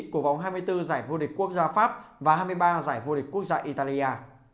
của vòng hai mươi bốn giải vô địch quốc gia pháp và hai mươi ba giải vô địch quốc gia italia